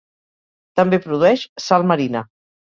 També produeix sal marina.